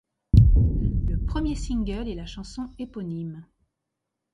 Le premier single est la chanson éponyme.